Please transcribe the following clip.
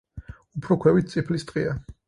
უფრო ქვევით წიფლის ტყეა.